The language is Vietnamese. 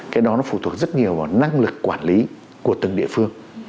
cái đó nó phụ thuộc rất nhiều vào năng lực quản lý của từng địa phương